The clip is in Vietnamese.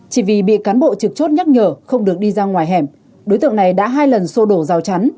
chỉ vì bị cán bộ trực chốt nhắc nhở không được đi ra ngoài hẻm đối tượng này đã hai lần sô đổ rào chắn